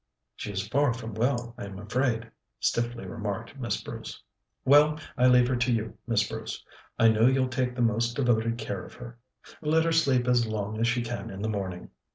"She is far from well, I'm afraid," stiffly remarked Miss Bruce. "Well, I leave her to you, Miss Bruce. I know you'll take the most devoted care of her. Let her sleep as long as she can in the morning."